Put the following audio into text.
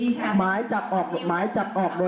เราอยู่กันด้วยกฎหมายประมวล